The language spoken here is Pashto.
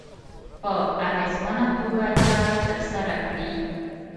په اغېزمنه توګه چارې ترسره کړي.